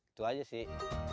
itu aja sih